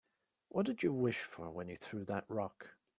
What'd you wish when you threw that rock?